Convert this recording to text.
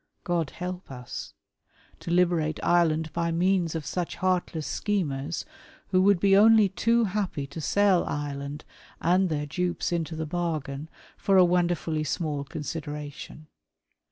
God help us! To liberate Ireland by means of such heartless schemers, who would be only too happy to sell Ireland and their dupes into the bargain, for a wonderfully small consideration.